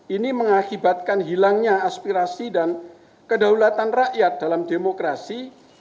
ini mengakibatkan hilangnya aspirasi dan kedaulatan rakyat dalam demokrasi